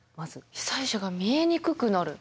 被災者が見えにくくなる。